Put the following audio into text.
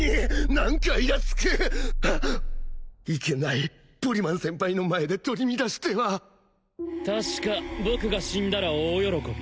何かイラつくいけないポリマン先輩の前で取り乱しては確か僕が死んだら大喜び？